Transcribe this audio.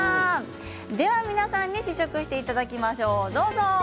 では、皆さんに試食していただきましょう。